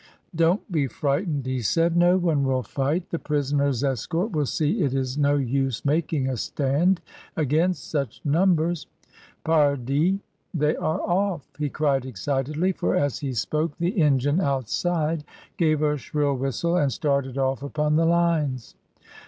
"Don't be frightened," he said, "no one will AT THE TERMINUS. 26 1 fight; the prisoners' escort will see it is no use mak ing a stand against such numbers. Pardt, they are off!" he cried excitedly, for as he spoke the engine outside gave a shrill whistle and started off upon the lines.